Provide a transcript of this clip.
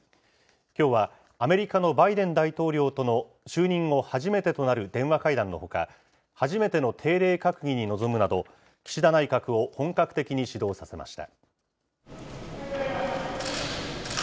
きょうは、アメリカのバイデン大統領との就任後初めてとなる電話会談のほか、初めての定例閣議に臨むなど、岸田内閣を本格的に始動させました。